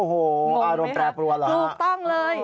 โอ้โหอารมณ์แปรปรวนเหรอถูกต้องเลย